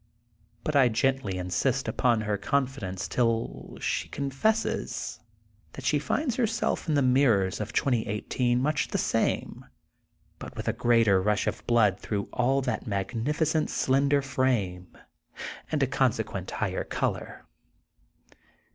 Bnt I gently insist upon her confidence till she confesses that she finds her self in the mirrors of 2018 much the same, but with a greater rush of blood through all that magnificent slender frame, and a consequent higher color.